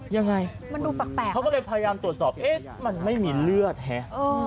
ยังไงเขาก็เลยพยายามตรวจสอบเอ๊ะมันไม่มีเลือดแฮะ